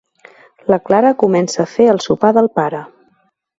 La Clara comença a fer el sopar del pare.